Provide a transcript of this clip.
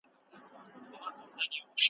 یا به وږی له قحطۍ وي یا یې کور وړی باران دی .